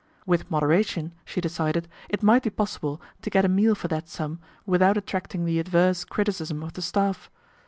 With moderation, she decided, it might be possible to get a meal for that sum without attracting the adverse criticism of the staff.